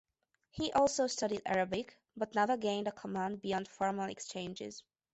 He also studied Arabic but never gained a command beyond formal exchanges.